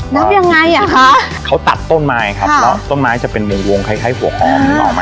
แล้วยังไงอ่ะคะเขาตัดต้นไม้ครับครับแล้วต้นไม้จะเป็นมุมวงคล้ายคล้ายหัวคอม